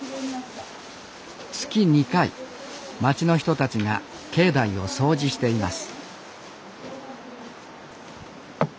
月２回町の人たちが境内を掃除しています